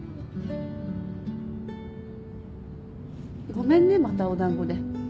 ごめんねまたお団子で。